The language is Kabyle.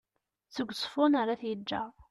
seg uẓeffun ar at yeğğer